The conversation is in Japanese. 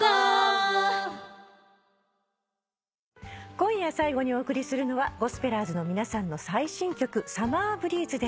今夜最後にお送りするのはゴスペラーズの皆さんの最新曲『ＳｕｍｍｅｒＢｒｅｅｚｅ』です。